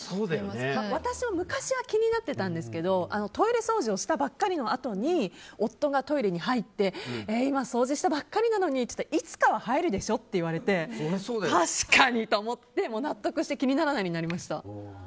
私は昔は気になってたんですけどトイレ掃除をしたばかりのあとに夫がトイレに入って掃除したばかりなのにって言ったらいつかは入るでしょって言われて確かにと思って納得して気にならないようになりました。